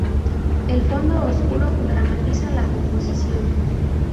El fondo oscuro dramatiza la composición.